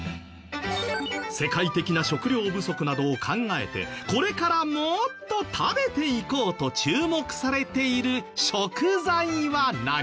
世界的な食料不足などを考えてこれからもっと食べていこうと注目されている食材は何？